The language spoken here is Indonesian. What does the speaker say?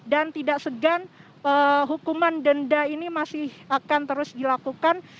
tidak segan hukuman denda ini masih akan terus dilakukan